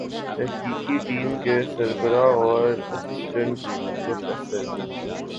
تحقیقی ٹیم کے سربراہ اور اسسٹنٹ پروفیسر